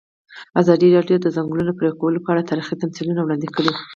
ازادي راډیو د د ځنګلونو پرېکول په اړه تاریخي تمثیلونه وړاندې کړي.